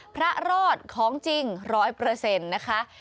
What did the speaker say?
พระรอดของจริงร้อยเปอร์เซ็นต์นะคะ